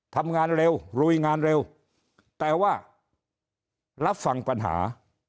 ทำงานเร็วลุยงานเร็วแต่ว่ารับฟังปัญหา